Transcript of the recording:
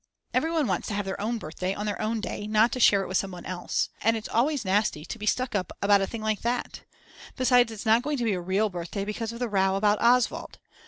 Everyone wants to have their own birthday on their own day, not to share it with someone else. And it's always nasty to be stuck up about a thing like that. Besides, it's not going to be a real birthday because of the row about Oswald.